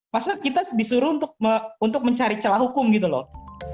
masa kita disuruh untuk mencari celah hukum gitu loh